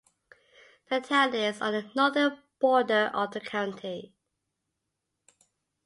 The town is on the northern border of the county.